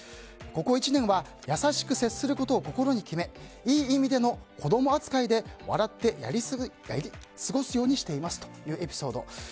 ここ１年は優しく接することを心に決めいい意味での子供扱いで笑ってやり過ごすようにしていますというエピソード。